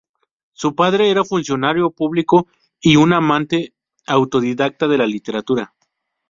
Su padre era funcionario público y un amante autodidacta de la literatura.